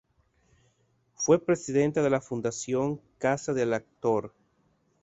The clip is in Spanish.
Fue presidenta de la Fundación "Casa del Actor".